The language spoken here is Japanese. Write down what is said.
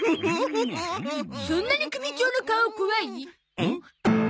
そんなに組長の顔怖い？